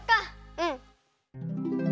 うん。